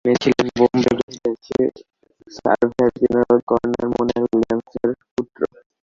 তিনি ছিলেন বোম্বাই প্রেসিডেন্সির সার্ভেয়ার জেনারেল কর্নেল মোনিয়ার উইলিয়ামসের পুত্র।